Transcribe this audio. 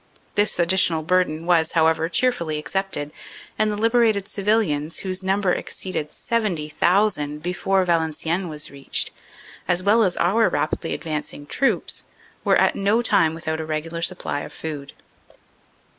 This additional burden was, however, cheerfully accepted, and the liberated civilians, whose number exceeded 70,000 before Valenciennes was reached, as well as our rapidly advancing troops, were at no time without a regular supply of food."